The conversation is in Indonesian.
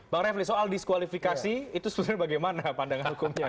bang refli soal diskualifikasi itu sebenarnya bagaimana pandangan hukumnya